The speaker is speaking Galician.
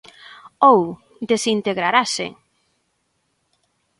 Ou desintegrarase!